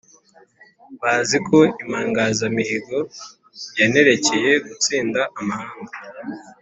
Bazi ko Impangazamihigo yanterekeye gutsinda amahanga.